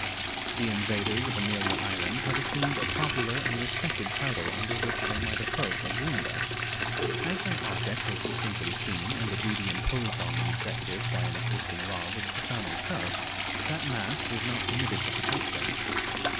The invaders of Amelia Island had assumed a popular and respected title under which they might approach and wound us. As their object was distinctly seen, and the duty imposed on the Executive by an existing law was profoundly felt, that mask was not permitted to protect them.